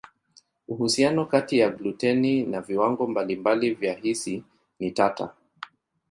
Uhusiano kati ya gluteni na viwango mbalimbali vya hisi ni tata.